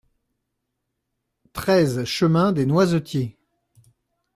treize chemin Dès Noisetiers